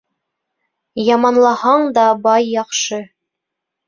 Яманлаһаң да бай яҡшы.